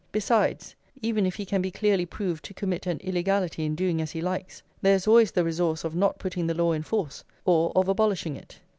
Besides, even if he can be clearly proved to commit an illegality in doing as he likes, there is always the resource of not putting the law in force, or of abolishing it.